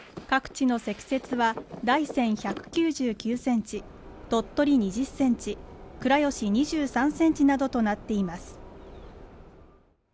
各地の積雪は大山１９９センチ鳥取２０センチ倉吉２３センチなどとなっています